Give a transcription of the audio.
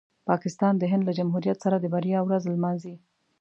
پاکستان د هند له جمهوریت سره د بریا ورځ نمانځي.